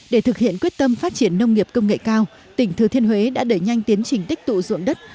để thực hiện quyết tâm phát triển nông nghiệp công nghệ cao tỉnh thừa thiên huế đã đẩy nhanh tiến trình tích tụ ruộng đất